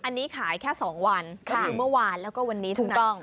อันนี้ขายแค่๒วันก็คือเมื่อวานแล้วก็วันนี้ถูกต้อง